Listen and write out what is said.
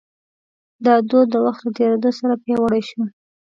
دا دود د وخت له تېرېدو سره پیاوړی شو.